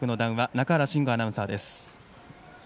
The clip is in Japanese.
中原真吾アナウンサーです。